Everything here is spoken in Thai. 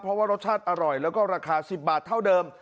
เพราะว่ารสชาติอร่อยแล้วก็ราคา๑๐บาทเท่าเดิม